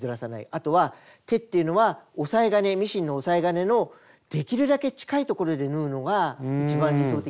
あとは手っていうのは押さえ金ミシンの押さえ金のできるだけ近いところで縫うのが一番理想的です。